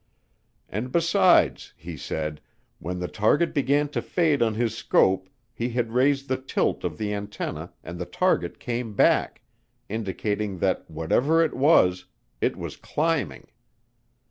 And besides, he said, when the target began to fade on his scope he had raised the tilt of the antenna and the target came back, indicating that whatever it was, it was climbing.